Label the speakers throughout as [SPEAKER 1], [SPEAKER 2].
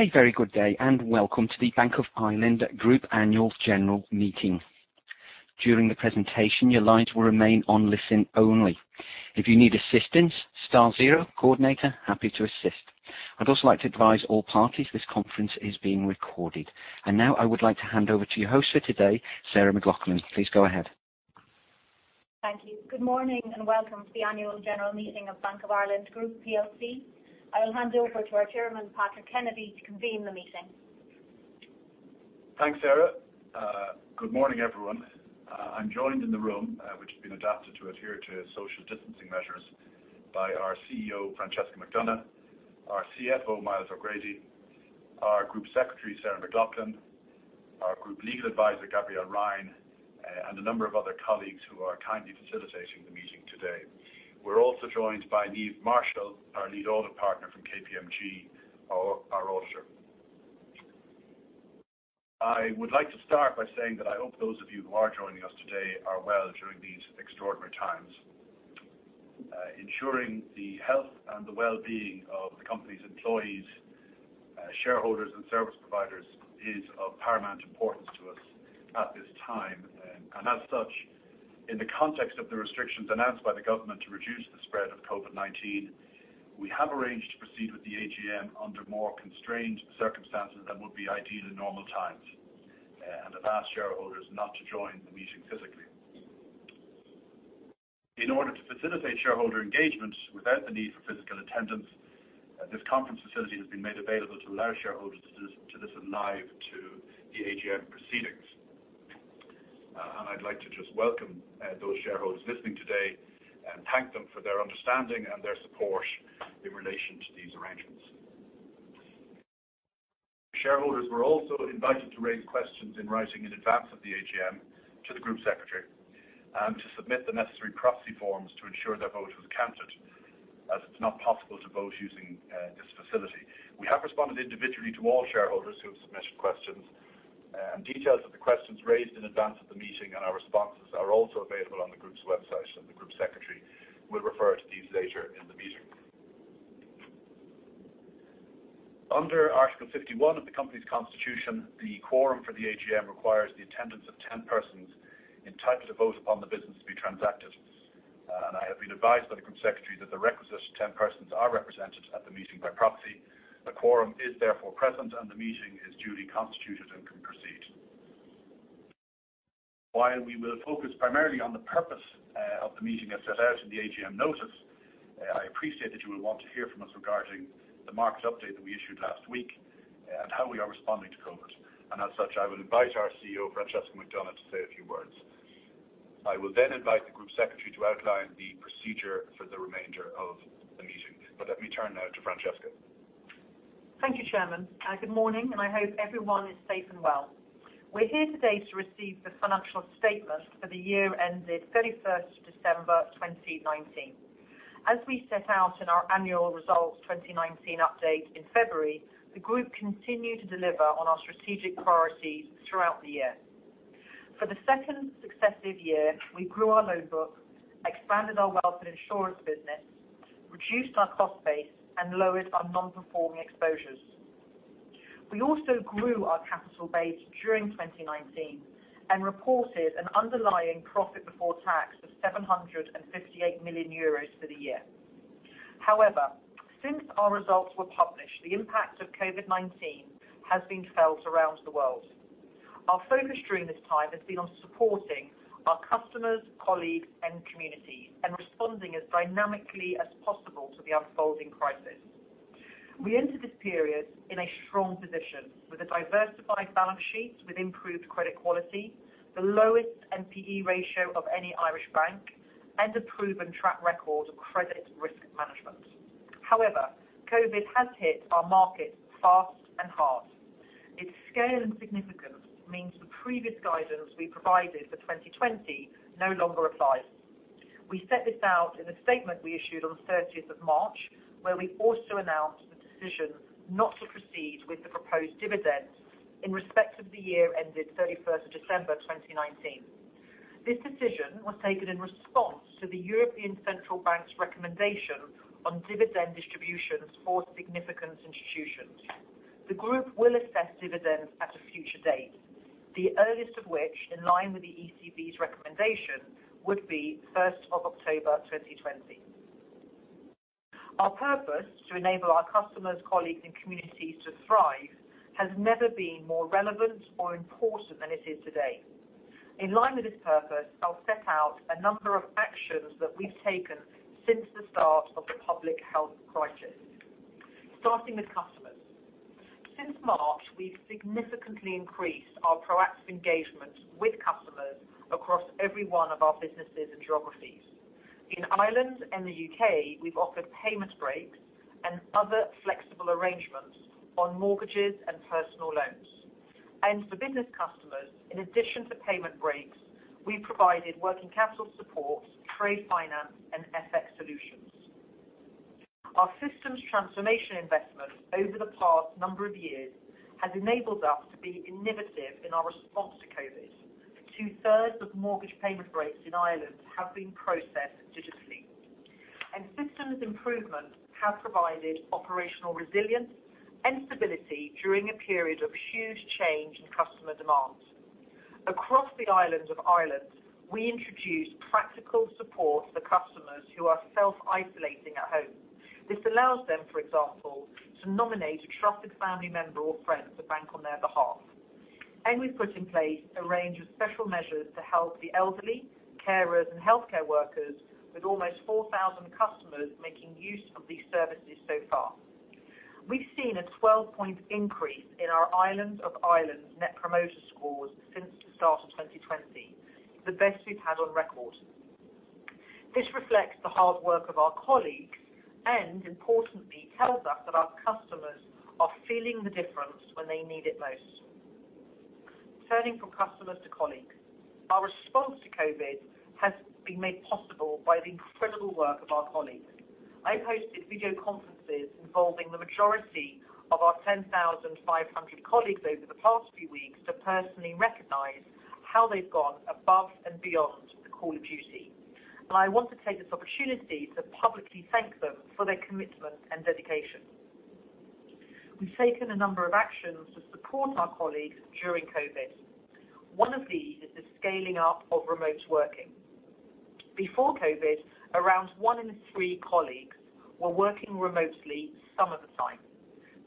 [SPEAKER 1] A very good day, and welcome to the Bank of Ireland Group Annual General Meeting. During the presentation, your lines will remain on listen only. If you need assistance, star zero, coordinator, happy to assist. I'd also like to advise all parties this conference is being recorded. Now I would like to hand over to your host for today, Sarah McLaughlin. Please go ahead.
[SPEAKER 2] Thank you. Good morning and welcome to the annual general meeting of Bank of Ireland Group PLC. I will hand over to our chairman, Patrick Kennedy, to convene the meeting.
[SPEAKER 3] Thanks, Sarah. Good morning, everyone. I'm joined in the room, which has been adapted to adhere to social distancing measures, by our CEO, Francesca McDonagh, our CFO, Myles O'Grady, our Group Secretary, Sarah McLaughlin, our Group Legal Advisor, Gabrielle Ryan, and a number of other colleagues who are kindly facilitating the meeting today. We're also joined by Niamh Marshall, our Lead Audit Partner from KPMG, our auditor. I would like to start by saying that I hope those of you who are joining us today are well during these extraordinary times. Ensuring the health and the well-being of the company's employees, shareholders, and service providers is of paramount importance to us at this time. As such, in the context of the restrictions announced by the government to reduce the spread of COVID-19, we have arranged to proceed with the AGM under more constrained circumstances than would be ideal in normal times, and have asked shareholders not to join the meeting physically. In order to facilitate shareholder engagement without the need for physical attendance, this conference facility has been made available to allow shareholders to listen live to the AGM proceedings. I'd like to just welcome those shareholders listening today and thank them for their understanding and their support in relation to these arrangements. Shareholders were also invited to raise questions in writing in advance of the AGM to the Group Secretary and to submit the necessary proxy forms to ensure their vote was counted, as it's not possible to vote using this facility. We have responded individually to all shareholders who have submitted questions, and details of the questions raised in advance of the meeting and our responses are also available on the Group's website, and the Group Secretary will refer to these later in the meeting. Under Article 51 of the company's constitution, the quorum for the AGM requires the attendance of 10 persons entitled to vote upon the business to be transacted. I have been advised by the Group Secretary that the requisite of 10 persons are represented at the meeting by proxy. The quorum is therefore present, and the meeting is duly constituted and can proceed. While we will focus primarily on the purpose of the meeting as set out in the AGM notice, I appreciate that you will want to hear from us regarding the market update that we issued last week and how we are responding to COVID, and as such, I will invite our CEO, Francesca McDonagh, to say a few words. I will then invite the group secretary to outline the procedure for the remainder of the meeting. Let me turn now to Francesca.
[SPEAKER 4] Thank you, Chairman. Good morning, and I hope everyone is safe and well. We're here today to receive the financial statement for the year ended 31st of December 2019. As we set out in our annual results 2019 update in February, the group continued to deliver on our strategic priorities throughout the year. For the second successive year, we grew our loan book, expanded our wealth and insurance business, reduced our cost base, and lowered our non-performing exposures. We also grew our capital base during 2019 and reported an underlying profit before tax of 758 million euros for the year. However, since our results were published, the impact of COVID-19 has been felt around the world. Our focus during this time has been on supporting our customers, colleagues, and communities, and responding as dynamically as possible to the unfolding crisis. We entered this period in a strong position with a diversified balance sheet with improved credit quality, the lowest NPE ratio of any Irish bank, and a proven track record of credit risk management. However, COVID has hit our market fast and hard. Its scale and significance means the previous guidance we provided for 2020 no longer applies. We set this out in a statement we issued on the 30th of March, where we also announced the decision not to proceed with the proposed dividend in respect of the year ended 31st of December 2019. This decision was taken in response to the European Central Bank's recommendation on dividend distributions for significant institutions. The group will assess dividends at a future date, the earliest of which, in line with the ECB's recommendation, would be the 1st of October 2020. Our purpose, to enable our customers, colleagues, and communities to thrive, has never been more relevant or important than it is today. In line with this purpose, I'll set out a number of actions that we've taken since the start of the public health crisis. Starting with customers. Since March, we've significantly increased our proactive engagement with customers across every one of our businesses and geographies. In Ireland and the U.K., we've offered payment breaks and other flexible arrangements on mortgages and personal loans. For business customers, in addition to payment breaks, we've provided working capital support, trade finance, and FX solutions. Our systems transformation investment over the past number of years has enabled us to be innovative in our response to COVID. Two-thirds of mortgage payment breaks in Ireland have been processed digitally. Systems improvement have provided operational resilience and stability during a period of huge change in customer demands. Across the island of Ireland, we introduced practical support for customers who are self-isolating at home. This allows them, for example, to nominate a trusted family member or friend to bank on their behalf. We've put in place a range of special measures to help the elderly, carers, and healthcare workers, with almost 4,000 customers making use of these services so far. We've seen a 12-point increase in our island of Ireland's Net Promoter Scores since the start of 2020, the best we've had on record. This reflects the hard work of our colleagues, and importantly, tells us that our customers are feeling the difference when they need it most. Turning from customers to colleagues. Our response to COVID has been made possible by the incredible work of our colleagues. I hosted video conferences involving the majority of our 10,500 colleagues over the past few weeks to personally recognize how they've gone above and beyond the call of duty, and I want to take this opportunity to publicly thank them for their commitment and dedication. We've taken a number of actions to support our colleagues during COVID. One of these is the scaling up of remote working. Before COVID, around one in three colleagues were working remotely some of the time.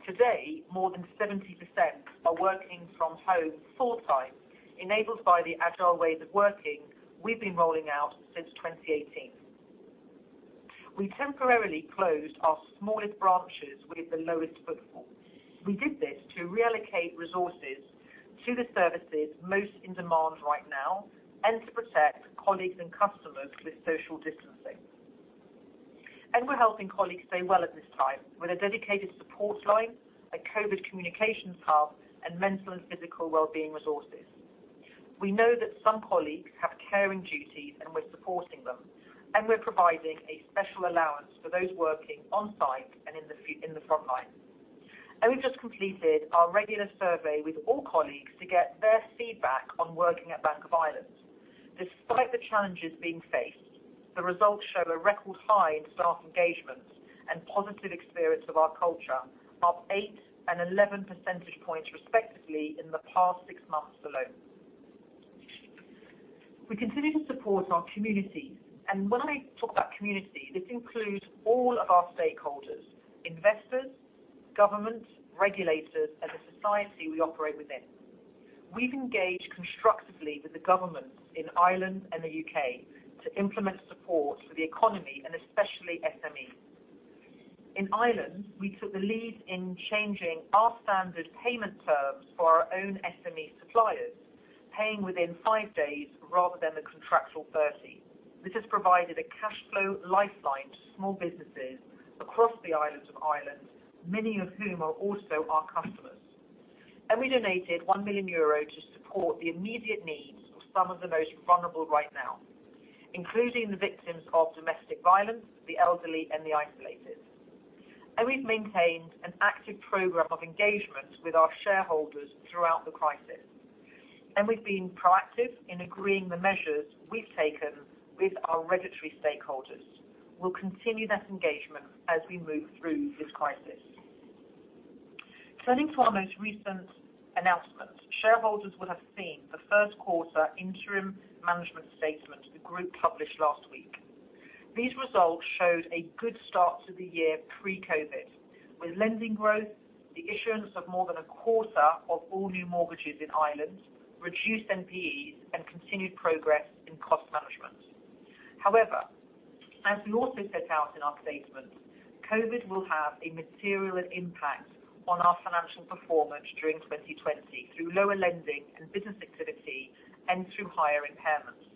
[SPEAKER 4] Today, more than 70% are working from home full-time, enabled by the agile ways of working we've been rolling out since 2018. We temporarily closed our smallest branches with the lowest footfall. We did this to reallocate resources to the services most in demand right now and to protect colleagues and customers with social distancing. We're helping colleagues stay well at this time with a dedicated support line, a COVID communications hub, and mental and physical well-being resources. We know that some colleagues have caring duties, we're supporting them, and we're providing a special allowance for those working on-site and in the frontline. We've just completed our regular survey with all colleagues to get their feedback on working at Bank of Ireland. Despite the challenges being faced, the results show a record high in staff engagement and positive experience of our culture, up eight and 11 percentage points respectively in the past six months alone. We continue to support our communities. When I talk about community, this includes all of our stakeholders, investors, governments, regulators, and the society we operate within. We've engaged constructively with the governments in Ireland and the U.K. to implement support for the economy and especially SMEs. In Ireland, we took the lead in changing our standard payment terms for our own SME suppliers, paying within 5 days rather than the contractual 30. This has provided a cash flow lifeline to small businesses across the island of Ireland, many of whom are also our customers. We donated 1 million euro to support the immediate needs of some of the most vulnerable right now, including the victims of domestic violence, the elderly, and the isolated. We've maintained an active program of engagement with our shareholders throughout the crisis. We've been proactive in agreeing the measures we've taken with our regulatory stakeholders. We'll continue that engagement as we move through this crisis. Turning to our most recent announcements. Shareholders will have seen the first quarter interim management statement the Group published last week. These results showed a good start to the year pre-COVID, with lending growth, the issuance of more than a quarter of all new mortgages in Ireland, reduced NPEs, and continued progress in cost management. As we also set out in our statement, COVID will have a material impact on our financial performance during 2020 through lower lending and business activity and through higher impairments.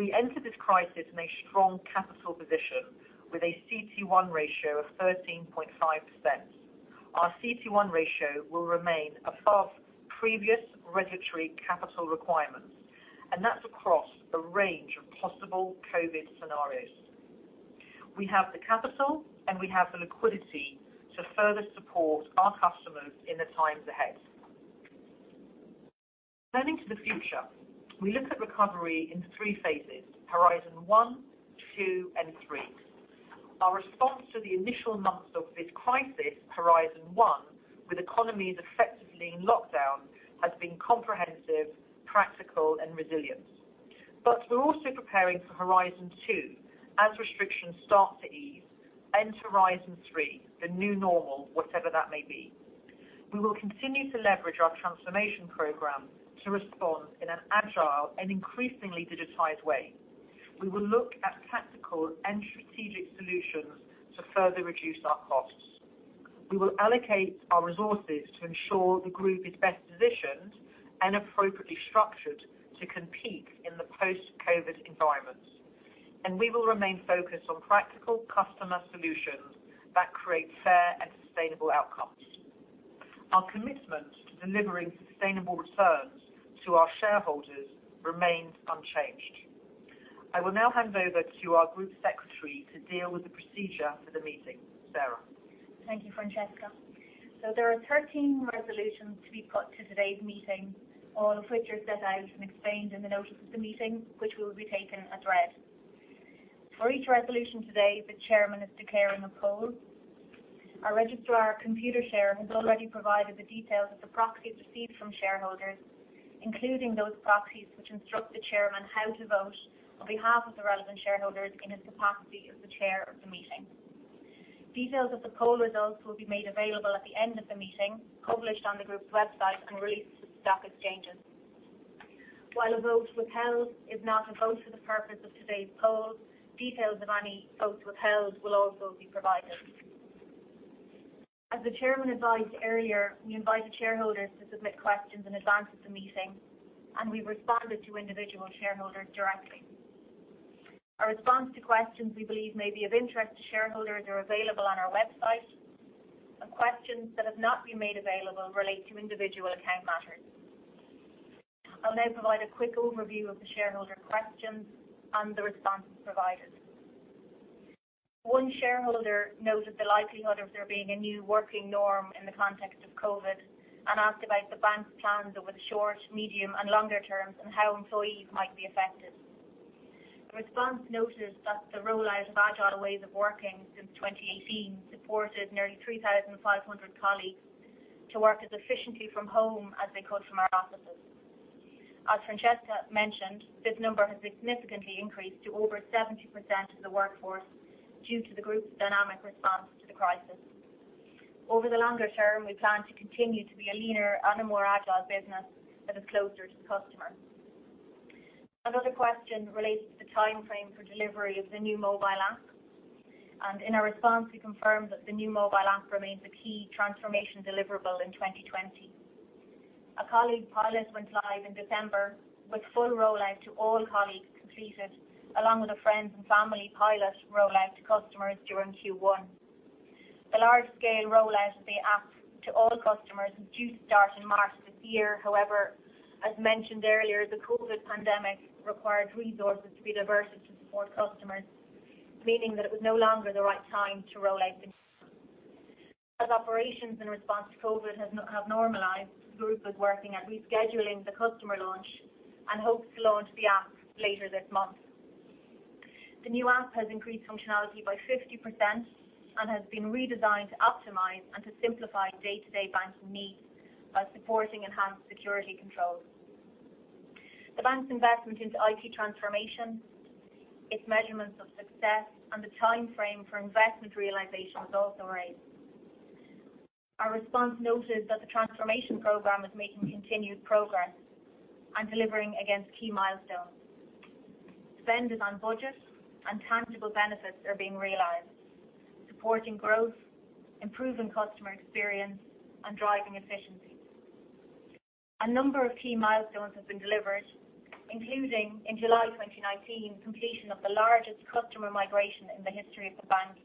[SPEAKER 4] We enter this crisis in a strong capital position with a CET1 ratio of 13.5%. Our CET1 ratio will remain above previous regulatory capital requirements, and that's across a range of possible COVID scenarios. We have the capital, and we have the liquidity to further support our customers in the times ahead. Turning to the future, we look at recovery in three phases, horizon 1, 2, and 3. Our response to the initial months of this crisis, horizon 1, with economies effectively in lockdown, has been comprehensive, practical, and resilient. We're also preparing for horizon 2 as restrictions start to ease, and to horizon 3, the new normal, whatever that may be. We will continue to leverage our transformation program to respond in an agile and increasingly digitized way. We will look at tactical and strategic solutions to further reduce our costs. We will allocate our resources to ensure the group is best positioned and appropriately structured to compete in the post-COVID-19 environment. We will remain focused on practical customer solutions that create fair and sustainable outcomes. Our commitment to delivering sustainable returns to our shareholders remains unchanged. I will now hand over to our Group Secretary to deal with the procedure for the meeting. Sarah?
[SPEAKER 2] Thank you, Francesca. There are 13 resolutions to be put to today's meeting, all of which are set out and explained in the notice of the meeting, which will be taken as read. For each resolution today, the chairman is declaring a poll. Our registrar, Computershare, has already provided the details of the proxies received from shareholders, including those proxies which instruct the chairman how to vote on behalf of the relevant shareholders in his capacity as the chair of the meeting. Details of the poll results will be made available at the end of the meeting, published on the group's website, and released to the stock exchanges. While a vote withheld is not a vote for the purpose of today's poll, details of any votes withheld will also be provided. As the chairman advised earlier, we invited shareholders to submit questions in advance of the meeting, and we've responded to individual shareholders directly. Our response to questions we believe may be of interest to shareholders are available on our website, and questions that have not been made available relate to individual account matters. I'll now provide a quick overview of the shareholder questions and the responses provided. One shareholder noted the likelihood of there being a new working norm in the context of COVID-19 and asked about the Bank's plans over the short, medium, and longer terms, and how employees might be affected. The response noted that the roll out of agile ways of working since 2018 supported nearly 3,500 colleagues to work as efficiently from home as they could from our offices. As Francesca mentioned, this number has significantly increased to over 70% of the workforce due to the Group's dynamic response to the crisis. Over the longer term, we plan to continue to be a leaner and a more agile business that is closer to the customer. Another question related to the timeframe for delivery of the new mobile app, and in our response, we confirmed that the new mobile app remains a key transformation deliverable in 2020. A colleague pilot went live in December with full roll out to all colleagues completed, along with a friends and family pilot roll out to customers during Q1. The large-scale roll out of the app to all customers is due to start in March this year, however, as mentioned earlier, the COVID pandemic required resources to be diverted to support customers, meaning that it was no longer the right time to roll out the app. As operations in response to COVID have normalized, the group is working at rescheduling the customer launch and hopes to launch the app later this month. The new app has increased functionality by 50% and has been redesigned to optimize and to simplify day-to-day banking needs by supporting enhanced security controls. The bank's investment into IT transformation, its measurements of success, and the timeframe for investment realization was also raised. Our response noted that the transformation program is making continued progress and delivering against key milestones. Spend is on budget and tangible benefits are being realized, supporting growth, improving customer experience, and driving efficiency. A number of key milestones have been delivered, including, in July 2019, completion of the largest customer migration in the history of the bank,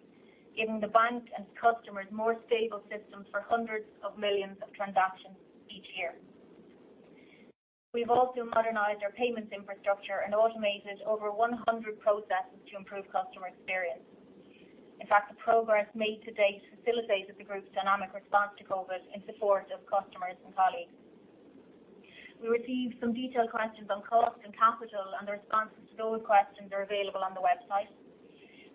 [SPEAKER 2] giving the bank and customers more stable systems for hundreds of millions of transactions each year. We've also modernized our payments infrastructure and automated over 100 processes to improve customer experience. In fact, the progress made to date facilitated the group's dynamic response to COVID in support of customers and colleagues. We received some detailed questions on cost and capital. The responses to those questions are available on the website.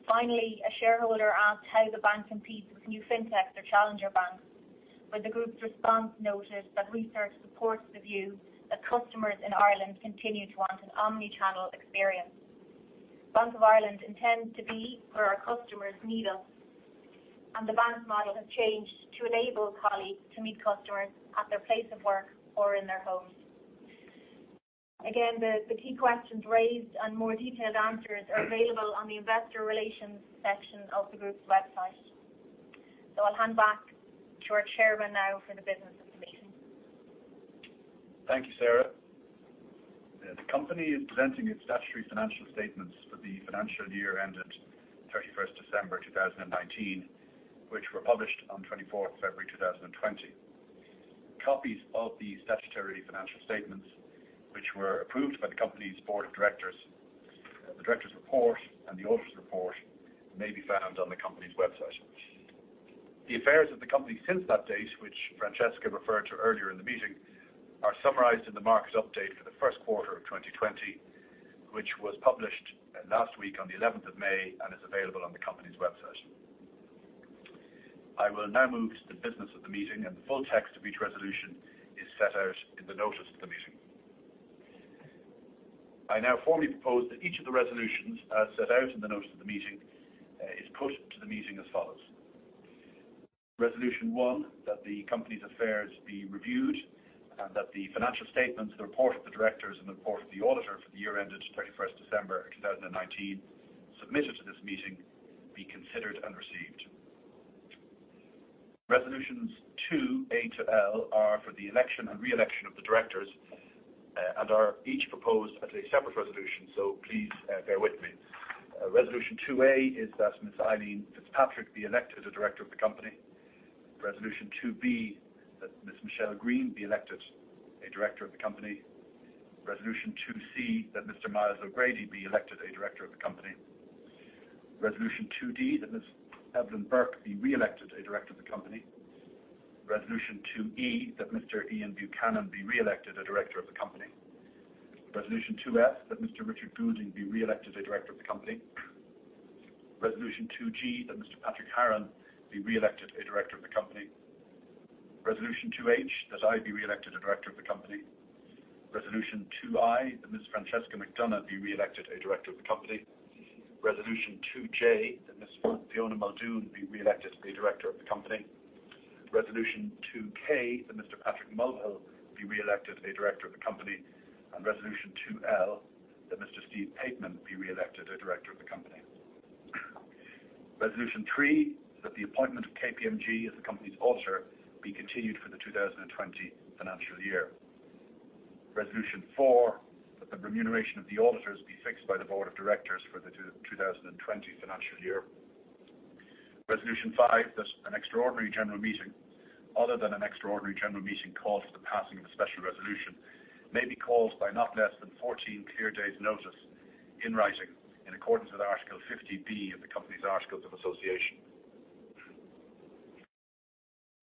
[SPEAKER 2] Finally, a shareholder asked how the bank competes with new fintechs or challenger banks, with the group's response noted that research supports the view that customers in Ireland continue to want an omni-channel experience. Bank of Ireland intends to be where our customers need us, and the bank's model has changed to enable colleagues to meet customers at their place of work or in their homes. Again, the key questions raised and more detailed answers are available on the investor relations section of the Group's website. I'll hand back to our chairman now for the business of the meeting.
[SPEAKER 3] Thank you, Sarah. The company is presenting its statutory financial statements for the financial year ended 31st December 2019, which were published on 24th February 2020. Copies of the statutory financial statements, which were approved by the company's Board of Directors, the directors' report, and the auditor's report may be found on the company's website. The affairs of the company since that date, which Francesca referred to earlier in the meeting, are summarized in the market update for the first quarter of 2020, which was published last week on the 11th of May and is available on the company's website. I will now move to the business of the meeting. The full text of each resolution is set out in the notice of the meeting. I now formally propose that each of the resolutions as set out in the notice of the meeting is put to the meeting as follows. Resolution 1, that the company's affairs be reviewed and that the financial statements, the report of the directors, and the report of the auditor for the year ended 31st December 2019 submitted to this meeting be considered and received. Resolutions 2A to L are for the election and re-election of the directors and are each proposed as a separate resolution, so please bear with me. Resolution 2A is that Ms. Eileen Fitzpatrick be elected a director of the company. Resolution 2B, that Ms. Michele Greene be elected a director of the company. Resolution 2C, that Mr. Myles O'Grady be elected a director of the company. Resolution 2D, that Ms. Evelyn Bourke be reelected a director of the company. Resolution 2E, that Mr. Ian Buchanan be reelected a director of the company. Resolution 2F, that Mr. Richard Goulding be reelected a director of the company. Resolution 2G, that Mr. Patrick Haren be reelected a director of the company. Resolution 2H, that I be reelected a director of the company. Resolution 2I, that Ms. Francesca McDonagh be reelected a director of the company. Resolution 2J, that Ms. Fiona Muldoon be reelected a director of the company. Resolution 2K, that Mr. Patrick Mulvihill be reelected a director of the company, and resolution 2L, that Mr. Steve Pateman be reelected a director of the company. Resolution three, that the appointment of KPMG as the company's auditor be continued for the 2020 financial year. Resolution four, that the remuneration of the auditors be fixed by the board of directors for the 2020 financial year. Resolution 5, that an extraordinary general meeting, other than an extraordinary general meeting called for the passing of a special resolution, may be called by not less than 14 clear days' notice in writing in accordance with Article 50B of the company's articles of association.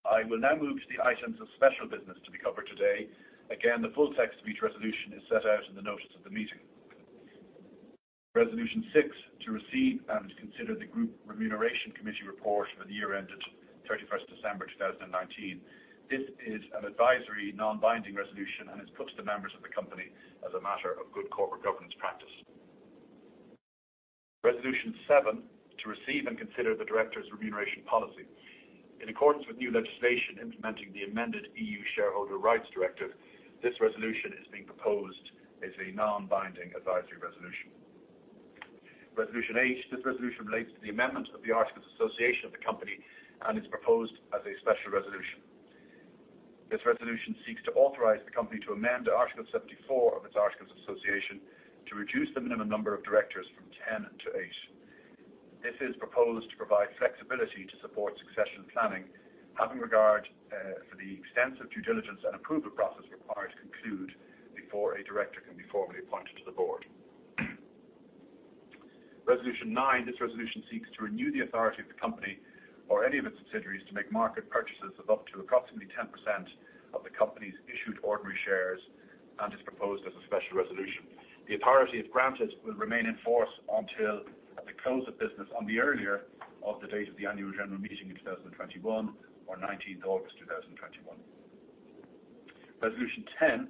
[SPEAKER 3] I will now move to the items of special business to be covered today. Again, the full text of each resolution is set out in the notice of the meeting. Resolution 6, to receive and consider the Group Remuneration Committee report for the year ended 31st December 2019. This is an advisory, non-binding resolution and is put to the members of the company as a matter of good corporate governance practice. Resolution 7, to receive and consider the directors' remuneration policy. In accordance with new legislation implementing the amended Shareholder Rights Directive II, this resolution is being proposed as a non-binding advisory resolution. Resolution eight, this resolution relates to the amendment of the articles of association of the company and is proposed as a special resolution. This resolution seeks to authorize the company to amend Article 74 of its articles of association to reduce the minimum number of directors from 10 to eight. This is proposed to provide flexibility to support succession planning, having regard for the extensive due diligence and approval process required to conclude before a director can be formally appointed to the board. Resolution nine, this resolution seeks to renew the authority of the company or any of its subsidiaries to make market purchases of up to approximately 10% of the company's issued ordinary shares and is proposed as a special resolution. The authority, if granted, will remain in force until at the close of business on the earlier of the date of the annual general meeting in 2021 or 19th August 2021. Resolution 10,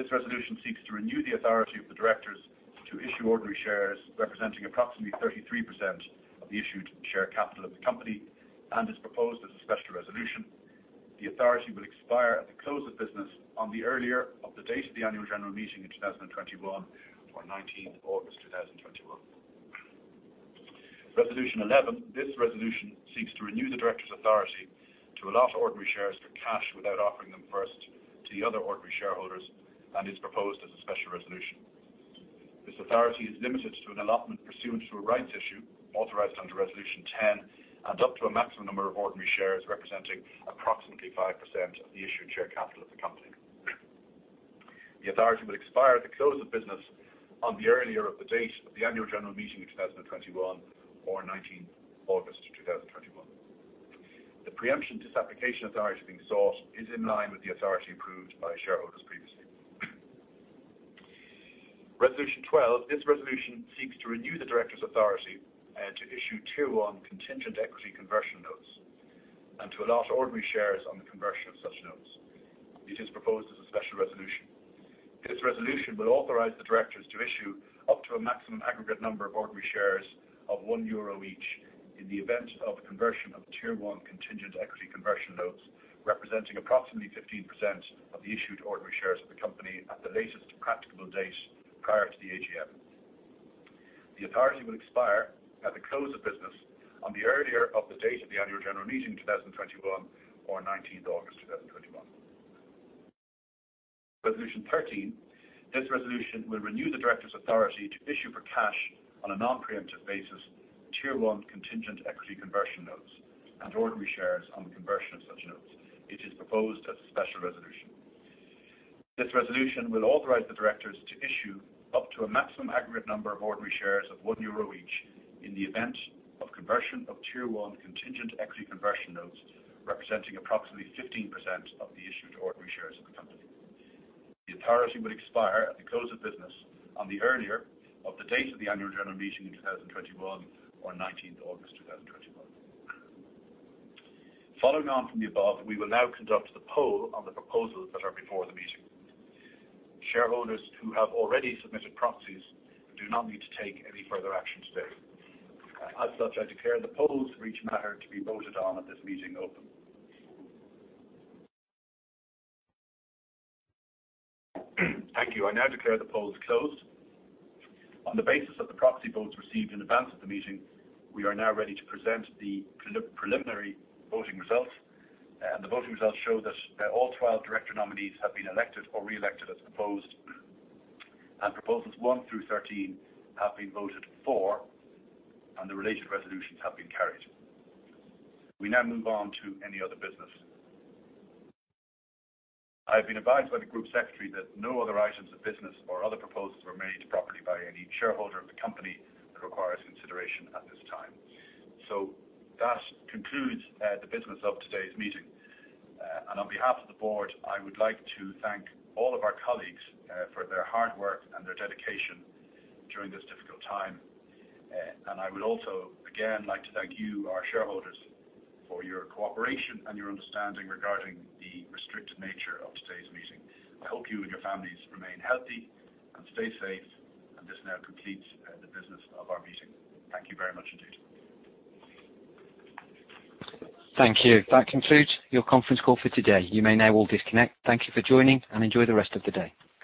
[SPEAKER 3] this resolution seeks to renew the authority of the directors to issue ordinary shares representing approximately 33% of the issued share capital of the company and is proposed as a special resolution. The authority will expire at the close of business on the earlier of the date of the annual general meeting in 2021 or 19th August 2021. Resolution 11, this resolution seeks to renew the directors' authority to allot ordinary shares for cash without offering them first to the other ordinary shareholders and is proposed as a special resolution. This authority is limited to an allotment pursuant to a rights issue authorized under Resolution 10 and up to a maximum number of ordinary shares representing approximately 5% of the issued share capital of the company. The authority will expire at the close of business on the earlier of the date of the annual general meeting in 2021 or 19th August 2021. The pre-emption disapplication authority being sought is in line with the authority approved by shareholders previously. Resolution 12, this resolution seeks to renew the directors' authority to issue Tier 1 contingent equity conversion notes, and to allot ordinary shares on the conversion of such notes. It is proposed as a special resolution. This resolution will authorize the directors to issue up to a maximum aggregate number of ordinary shares of 1 euro each in the event of the conversion of Tier 1 contingent equity conversion notes, representing approximately 15% of the issued ordinary shares of the company at the latest practicable date prior to the AGM. The authority will expire at the close of business on the earlier of the date of the annual general meeting 2021 or 19th August 2021. Resolution 13, this resolution will renew the directors' authority to issue for cash on a non-preemptive basis Tier 1 contingent equity conversion notes and ordinary shares on the conversion of such notes. It is proposed as a special resolution. This resolution will authorize the directors to issue up to a maximum aggregate number of ordinary shares of €1 each in the event of conversion of Tier 1 contingent equity conversion notes, representing approximately 15% of the issued ordinary shares of the company. The authority will expire at the close of business on the earlier of the date of the annual general meeting in 2021 or 19th August 2021. Following on from the above, we will now conduct the poll on the proposals that are before the meeting. Shareholders who have already submitted proxies do not need to take any further action today. As such, I declare the polls for each matter to be voted on at this meeting open. Thank you. I now declare the polls closed. On the basis of the proxy votes received in advance of the meeting, we are now ready to present the preliminary voting results. The voting results show that all 12 director nominees have been elected or reelected as proposed. Proposals 1-13 have been voted for, and the related resolutions have been carried. We now move on to any other business. I've been advised by the Group Secretary that no other items of business or other proposals were made properly by any shareholder of the company that requires consideration at this time. That concludes the business of today's meeting. On behalf of the board, I would like to thank all of our colleagues for their hard work and their dedication during this difficult time. I would also, again, like to thank you, our shareholders, for your cooperation and your understanding regarding the restricted nature of today's meeting. I hope you and your families remain healthy and stay safe. This now completes the business of our meeting. Thank you very much indeed.
[SPEAKER 1] Thank you. That concludes your conference call for today. You may now all disconnect. Thank you for joining, and enjoy the rest of the day.